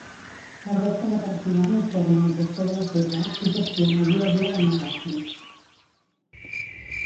La resta de personal informa al gestor de la ciutat i gestiona el dia a dia del negoci.